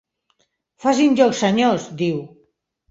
Facin joc, senyors —diu.